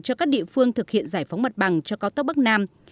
cho các địa phương thực hiện giải phóng mặt bằng cho cao tốc bắc nam